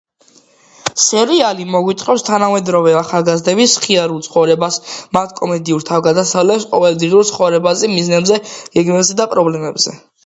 სერიალი მოგვითხრობს თანამედროვე ახალგაზრდების მხიარულ ცხოვრებას მათ კომედიურ თავგადასავლებს, ყოველდღიურ ცხოვრებაზე, მიზნებზე, გეგმებზე, პრობლემებზე.